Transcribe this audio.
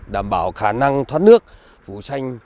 đảm bảo khả năng thoát nước phủ xanh